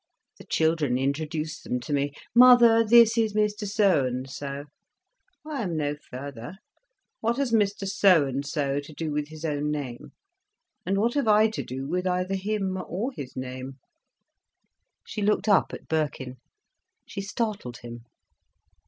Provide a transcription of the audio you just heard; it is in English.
The children introduce them to me—'Mother, this is Mr So and so.' I am no further. What has Mr So and so to do with his own name?—and what have I to do with either him or his name?" She looked up at Birkin. She startled him.